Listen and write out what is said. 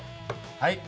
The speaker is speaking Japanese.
はい。